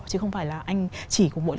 chứ không phải là anh chỉ cùng mỗi